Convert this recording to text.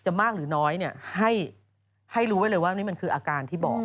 มากหรือน้อยให้รู้ไว้เลยว่านี่มันคืออาการที่บอก